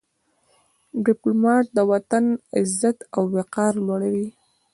ډيپلومات د وطن عزت او وقار لوړوي.